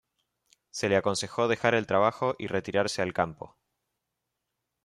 Se le aconsejó dejar el trabajo y retirarse al campo.